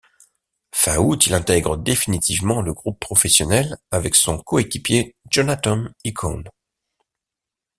Fin août, il intègre définitivement le groupe professionnel avec son coéquipier Jonathan Ikone.